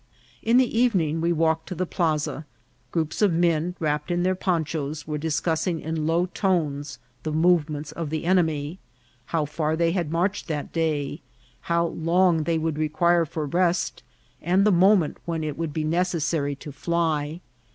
In the evening we walked to the plaza ; groups of men, wrapped in their ponchas, were discussing in low tones the movements of the enemy, how far they had marched that day, how long they would require for rest, and the moment when it would be necessary to fly.